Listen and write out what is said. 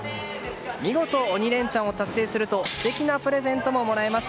見事、鬼レンチャンを達成すると素敵なプレゼントももらえます。